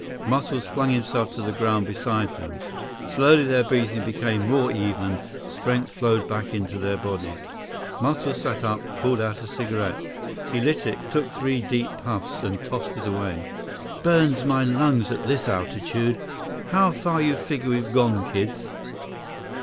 Muscles flung himself to the ground beside them. Slowly their breathing became more even, strength flowed back into their bodies. Muscles sat up, pulled out a cigarette. He lit it, took three deep puffs and tossed it away. "Burns my lungs at this altitude. How far you figure we've gone, kids?"